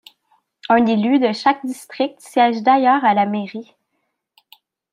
Un élu de chaque district siège d'ailleurs à la mairie.